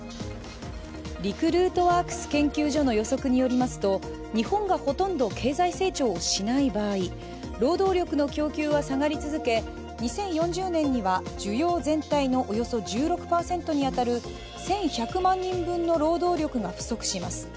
リクルートワークス研究所の予測によりますと日本がほとんど経済成長をしない場合、労働力の供給は下がり続け、２０４０年には需要全体のおよそ１６％に当たる１１００万人分の労働力が不足します。